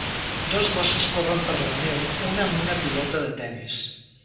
Dos gossos corren per la neu, un amb una pilota de tennis.